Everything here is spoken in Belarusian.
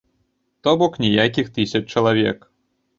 То бок, ніякіх тысяч чалавек.